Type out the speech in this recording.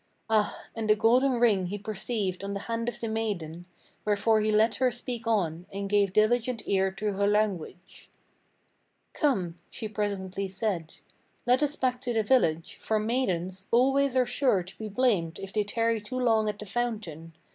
Ah! and the golden ring he perceived on the hand of the maiden, Wherefore he let her speak on, and gave diligent ear to her language. "Come," she presently said, "Let us back to the village; for maidens Always are sure to be blamed if they tarry too long at the fountain.